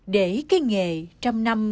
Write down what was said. để cái nghề trăm năm